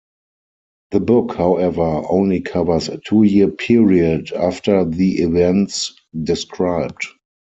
The book, however, only covers a two-year period after the events described.